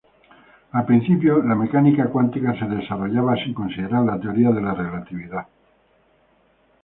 Al principio, la mecánica cuántica se desarrollaba sin considerar la teoría de la relatividad.